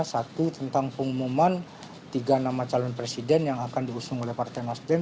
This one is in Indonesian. satu tentang pengumuman tiga nama calon presiden yang akan diusung oleh partai nasdem